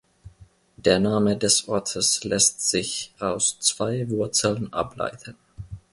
Der Name des Ortes lässt sich aus zwei Wurzeln ableiten.